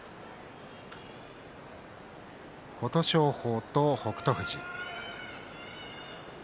琴勝峰と北勝富士。